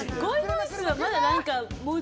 はまだ何か。